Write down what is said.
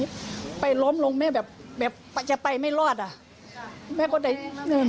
ไปล้มลงแม่แบบแบบจะไปไม่รอดอ่ะแม่ก็ได้อืม